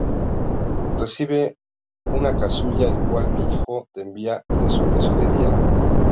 Recibe esta casulla la cual mi Hijo te envía de su tesorería.